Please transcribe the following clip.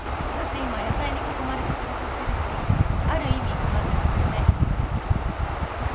だって今野菜に囲まれた仕事してるしある意味かなってますよね。